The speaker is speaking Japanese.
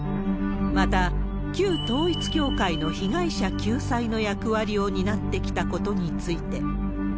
また、旧統一教会の被害者救済の役割を担ってきたことについて。